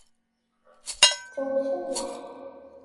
Tewwet nneḥ.